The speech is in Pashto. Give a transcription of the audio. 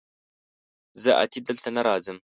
زه اتي دلته نه راځم